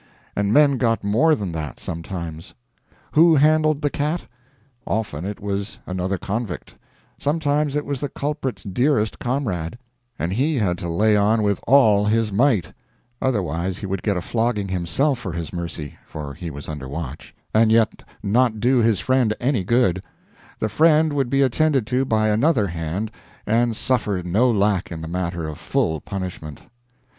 And men got more than that, sometimes. Who handled the cat? Often it was another convict; sometimes it was the culprit's dearest comrade; and he had to lay on with all his might; otherwise he would get a flogging himself for his mercy for he was under watch and yet not do his friend any good: the friend would be attended to by another hand and suffer no lack in the matter of full punishment.